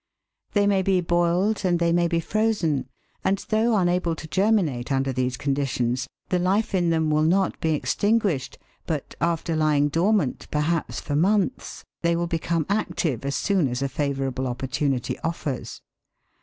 They may be boiled and they may be frozen, and though unable to germinate under these conditions, the life in them will not be extinguished, but, after lying dormant, perhaps for months, they will become active as soon as a favourable opportunity offers.